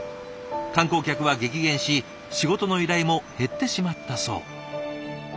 観光客は激減し仕事の依頼も減ってしまったそう。